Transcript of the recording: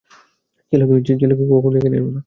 ছেলেকে কখনও এখানে এনো না।